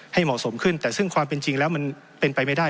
เหมาะสมขึ้นแต่ซึ่งความเป็นจริงแล้วมันเป็นไปไม่ได้